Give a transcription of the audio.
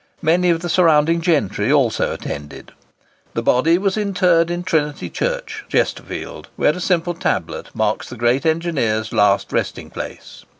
Many of the surrounding gentry also attended. The body was interred in Trinity Church, Chesterfield, where a simple tablet marks the great engineer's last resting place.